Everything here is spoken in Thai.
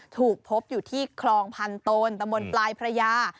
ถูกพบอยู่ที่คลองพันโตนตะมนต์ปลายพระยา